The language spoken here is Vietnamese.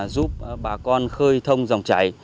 giúp bà con khơi thông dòng chảy